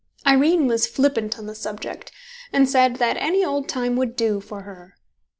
Irene was flippant on the subject, and said that any old time would do for her.